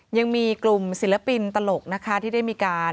ยังมีกลุ่มศิลปินตลกนะคะที่ได้มีการ